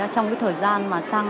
trong cái thời gian mà sang